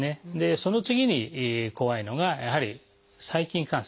その次に怖いのがやはり細菌感染。